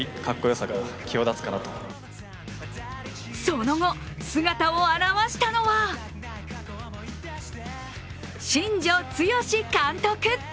その後、姿を現したのは新庄剛志監督。